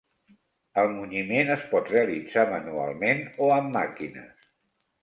El munyiment es pot realitzar manualment o amb màquines.